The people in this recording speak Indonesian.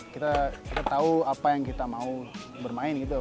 kita tahu apa yang kita mau bermain gitu